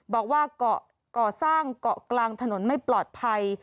บอกว่าเกาะก่อสร้างเกาะกลางถนนไม่ปลอดภัย